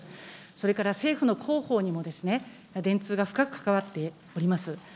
それから政府の広報にも電通が深く関わっております。